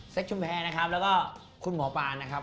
ชุมแพรนะครับแล้วก็คุณหมอปานนะครับ